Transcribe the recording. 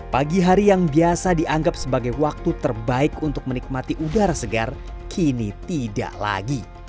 pagi hari yang biasa dianggap sebagai waktu terbaik untuk menikmati udara segar kini tidak lagi